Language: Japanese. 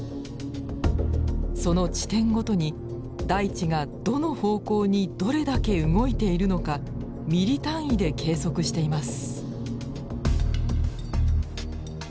その地点ごとに大地がどの方向にどれだけ動いているのかミリ単位で計測しています。